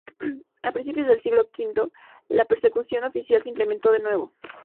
A principios del siglo V, la persecución oficial se incrementó de nuevo.